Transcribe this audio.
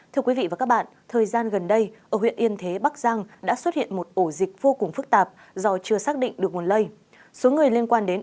thưa quý vị và các bạn thời gian gần đây ở huyện yên thế bắc giang đã xuất hiện một ổ dịch vô cùng nguy hiểm